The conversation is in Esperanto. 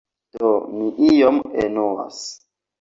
Do mi iom enuas.